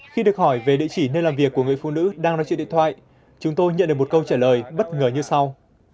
khi được hỏi về địa chỉ nơi làm việc của người phụ nữ đang nói trên điện thoại chúng tôi nhận được một câu trả lời bất ngờ như sau